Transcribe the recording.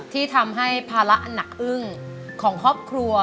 ที่ทำให้ภาระอันหนักอึ้งของครอบครัว